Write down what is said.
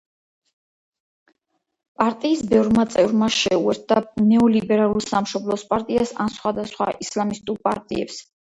პარტიის ბევრმა წევრმა შეუერთდა ნეოლიბერალურ სამშობლოს პარტიას ან სხვადასხვა ისლამისტურ პარტიებს.